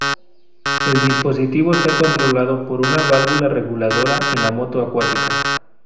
El dispositivo está controlado por una válvula reguladora en la moto acuática.